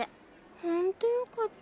ほんとよかった。